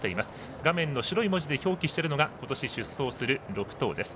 画面の白い文字で表記しているのが今年出走する６頭です。